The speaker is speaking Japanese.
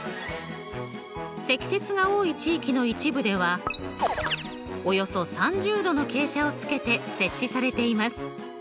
積雪が多い地域の一部ではおよそ３０°の傾斜をつけて設置されています。